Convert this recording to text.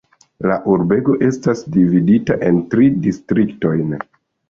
La urbego estas dividita en tri distriktojn.